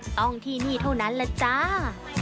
ต้องที่นี่เท่านั้นแหละจ้า